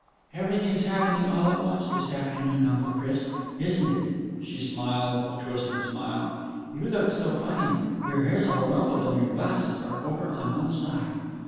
"Everything's happening all at once this afternoon, Uncle Chris, isn't it!" She smiled a twisted smile. "You look so funny! Your hair's all rumpled, and your glasses are over on one side!"